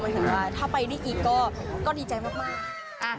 หมายถึงว่าถ้าไปได้อีกก็ดีใจมาก